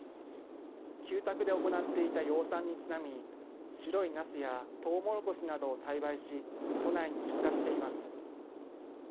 旧宅で行っていた養蚕にちなみ、白いナスやトウモロコシなどを栽培し、都内に出荷しています。